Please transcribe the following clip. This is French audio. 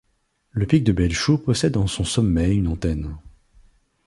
Le pic de Belchou possède en son sommet une antenne.